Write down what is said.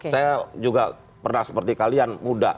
saya juga pernah seperti kalian muda